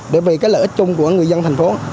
để vì cái lợi ích chung của người dân thành phố